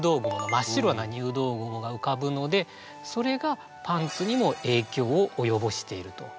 真っ白な入道雲が浮かぶのでそれがパンツにも影響を及ぼしていると。